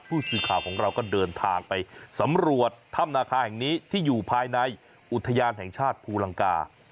ผู้สื่อข่าวของเราก็เดินทางไปสำรวจถ้ำนาคาแห่งนี้ที่อยู่ภายในอุทยานแห่งชาติภูลังกา